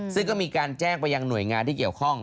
ซึ่งก็มีการแจ้งไปยังหน่วยงานที่เกี่ยวข้อง